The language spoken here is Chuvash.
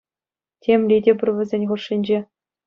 Темли те пур вӗсен хушшинче.